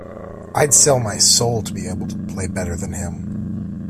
I’d sell my soul to be able to play better than him.